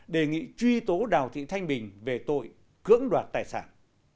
đề nghị truy tố đào thị thanh bình về tội cưỡng đoạt tài sản